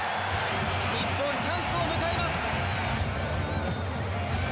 日本、チャンスを迎えます。